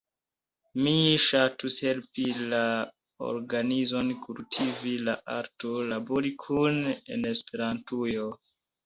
Mi ŝatus helpi la organizon kultivi la arton labori kune en Esperantujo.